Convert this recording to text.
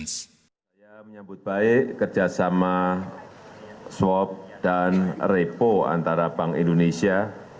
saya menyambut baik kerjasama swab dan repo antara bank indonesia